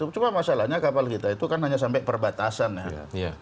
cuma masalahnya kapal kita itu kan hanya sampai perbatasan ya